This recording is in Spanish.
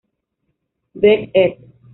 Veg., ed.